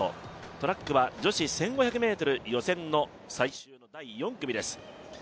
トラックは女子１５００ｍ予選の最終の第４組です。